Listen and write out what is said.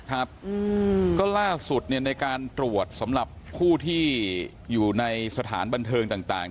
ครับก็ล่าสุดเนี่ยในการตรวจสำหรับผู้ที่อยู่ในสถานบันเทิงต่าง